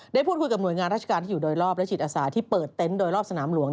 ได้พูดคุยกับหน่วยงานราชการที่อยู่โดยรอบและจิตอาสาที่เปิดเต็นต์โดยรอบสนามหลวง